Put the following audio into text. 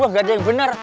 gak ada yang bener